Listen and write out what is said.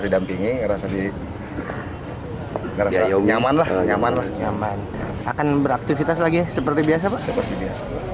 didampingi rasa di nyaman lah nyaman nyaman akan beraktivitas lagi seperti biasa seperti biasa